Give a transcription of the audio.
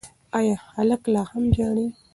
ایا هلک لا هم ژاړي؟